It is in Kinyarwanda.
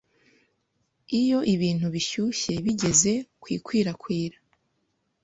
Iyo ibintu bishyushye bigeze kwikwirakwira